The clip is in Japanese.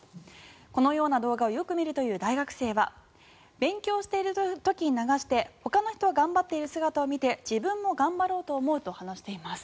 このような動画をよく見るという大学生は勉強している時に流してほかの人が頑張っている姿を見て自分も頑張ろうと思うと話しています。